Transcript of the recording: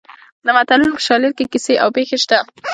د متلونو په شالید کې کیسې او پېښې شته